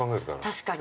◆確かに。